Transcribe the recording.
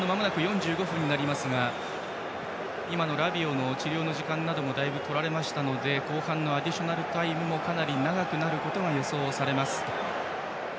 今のラビオの治療の時間がとられましたので後半のアディショナルタイムもかなり長くなることが予想されます。